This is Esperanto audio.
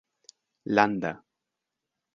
landa